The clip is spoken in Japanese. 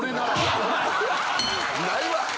ないわ！